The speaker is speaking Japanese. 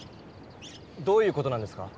どういう事なんですか？